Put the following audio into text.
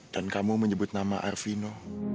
dan kamu menyebut nama arvino